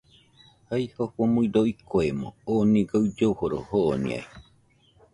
Jai, Jofo nuido ikoemo, oo niga uilloforo joniai